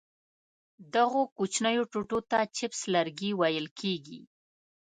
دغو کوچنیو ټوټو ته چپس لرګي ویل کېږي.